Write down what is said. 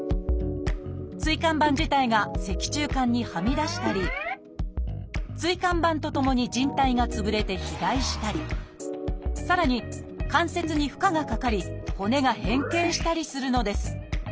椎間板自体が脊柱管にはみ出したり椎間板とともにじん帯が潰れて肥大したりさらに関節に負荷がかかり骨が変形したりするのです。